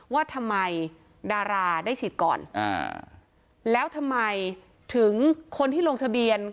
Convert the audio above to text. ว่าทำไมดาราได้ฉีดก่อนอ่าแล้วทำไมถึงคนที่ลงทะเบียน